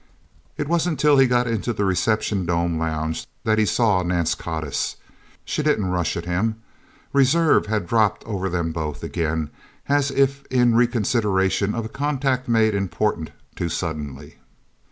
It wasn't till he got into the reception dome lounge that he saw Nance Codiss. She didn't rush at him. Reserve had dropped over them both again as if in reconsideration of a contact made important too suddenly.